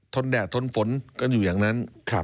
แดดทนฝนกันอยู่อย่างนั้น